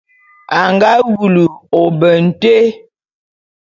A nga wulu ôbe nté.